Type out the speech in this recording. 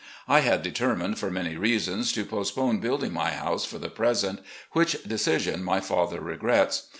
I had deter mined for many reasons to postpone building my house for the present, which decision my father regrets.